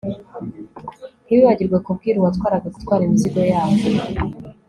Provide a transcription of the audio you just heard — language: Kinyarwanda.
ntiwibagirwe kubwira uwatwaraga gutwara imizigo yacu